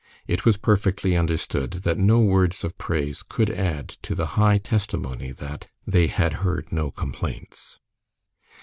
It was perfectly understood that no words of praise could add to the high testimony that they "had heard no complaints."